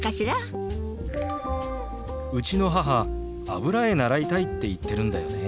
うちの母油絵習いたいって言ってるんだよね。